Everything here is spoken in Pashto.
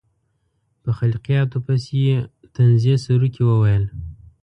په خلقیاتو پسې یې طنزیه سروکي وویل.